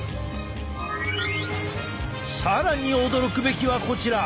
更に驚くべきはこちら！